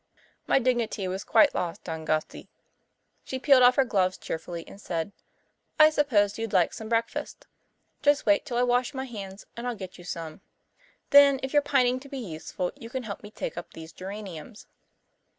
My dignity was quite lost on Gussie. She peeled off her gloves cheerfully and said, "I suppose you'd like some breakfast. Just wait till I wash my hands and I'll get you some. Then if you're pining to be useful you can help me take up these geraniums."